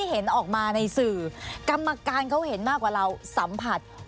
หมูพี่ชอบ